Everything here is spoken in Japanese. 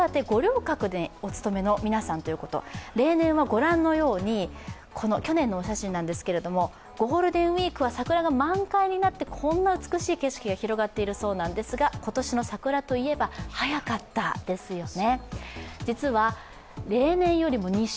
例年はご覧のように、これは去年のお写真ですけれども、ゴールデンウイークは桜が満開になって、こんな美しい景色が広がっているそうなんですが今年の桜といえば、早かったですよね。